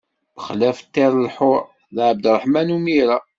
Bexlaf ṭṭir lḥur, d Ɛebderreḥman Umira.